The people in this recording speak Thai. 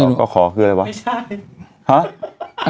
อศกขคืออะไรบะ